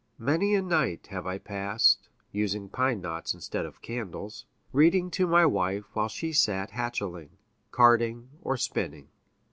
Many a night have I passed (using pine knots instead of candles) reading to my wife while she sat hatcheling, carding or spinning."